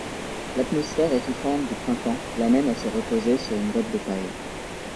L’atmosphère étouffante du printemps l’amène à se reposer sur une botte de paille.